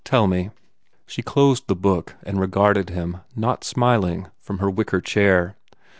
Tell me." She closed the book and regarded him, not smiling, from her wicker chair.